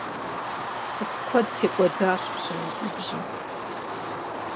ЦӀыху куэд текӀуэдащ пщым и губжьым.